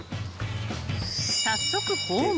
［早速訪問］